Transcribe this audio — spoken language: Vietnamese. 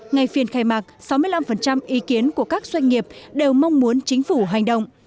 ngày phiên khai mạc sáu mươi năm ý kiến của các doanh nghiệp đều mong muốn chính phủ hành động